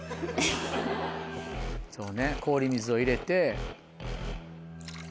そうね氷水を入れて。